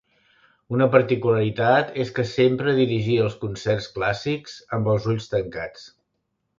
Una particularitat és que sempre dirigia els concerts clàssics amb els ulls tancats.